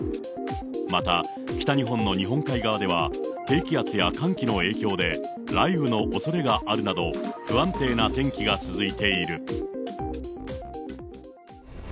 また北日本の日本海側では、低気圧や寒気の影響で、雷雨のおそれがあるなど、不安定な天気が続いている。